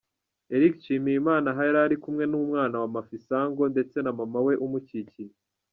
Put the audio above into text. Eric Nshimiyimana aha yarari kumwe n'umwana wa Mafisango ndetse na mama we umukikiye.